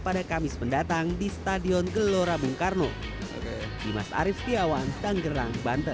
pada kamis mendatang di stadion gelora bung karno di mas arief setiawan dan gerang banten